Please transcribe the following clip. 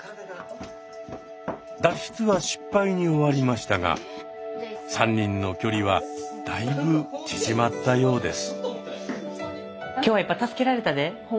脱出は失敗に終わりましたが３人の距離はだいぶ縮まったようです。